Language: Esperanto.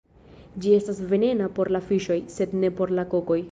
Ĝi estas venena por la fiŝoj, sed ne por la kokoj.